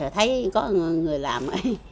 thấy có người làm